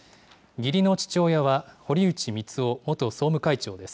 義理の父親は、堀内光雄元総務会長です。